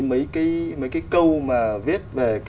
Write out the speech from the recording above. mấy cái câu mà viết